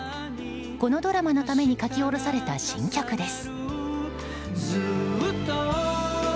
このドラマのために書き下ろされた、新曲です。